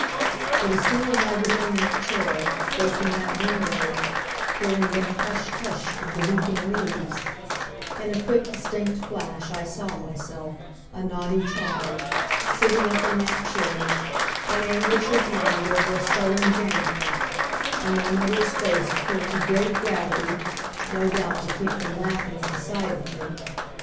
But as soon as I was in that chair, facing that window, hearing the "Hush, hush," of the weeping leaves, in a quick distinct flash I saw myself, a naughty child, sitting up in that chair, in anguish of mind over a stolen jam pot, and my mother's face pulled to great gravity, no doubt to keep from laughing at the sight of me.